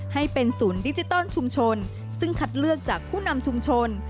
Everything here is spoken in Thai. ให้เป็นศูนย์ดิจิตอลชุมชนซึ่งคัดเลือกจากผู้นำชุมชน